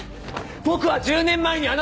僕は１０年前にあなたを信じた！